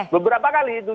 beberapa kali itu